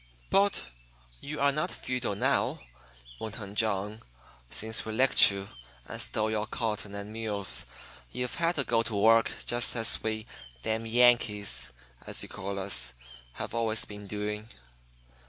"But you are not feudal, now," went on John. "Since we licked you and stole your cotton and mules you've had to go to work just as we 'damyankees,' as you call us, have always been doing.